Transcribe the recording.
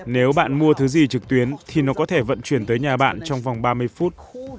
nếu bạn mua thứ gì trực tuyến thì nó có thể vận chuyển tới nhà bạn trong vòng ba mươi phút